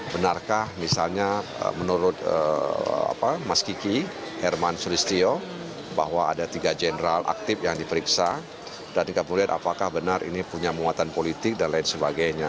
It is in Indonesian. benarkah misalnya menurut mas kiki herman sulistio bahwa ada tiga jenderal aktif yang diperiksa dan kita melihat apakah benar ini punya muatan politik dan lain sebagainya